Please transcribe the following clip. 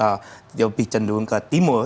lebih cenderung ke timur